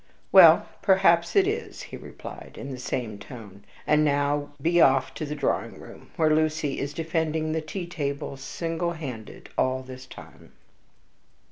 "Well, perhaps it is," he replied, in the same tone; "and now be off to the drawing room, where Lucy is defending the tea table single handed all this time."